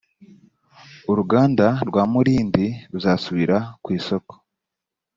uruganda rwa mulindi ruzasubira ku isoko